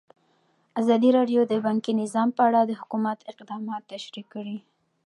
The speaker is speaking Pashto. ازادي راډیو د بانکي نظام په اړه د حکومت اقدامات تشریح کړي.